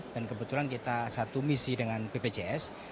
dan kebetulan kita satu misi dengan bpjs